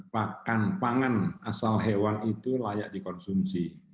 pakan pangan asal hewan itu layak dikonsumsi